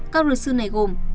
các luật sư này gồm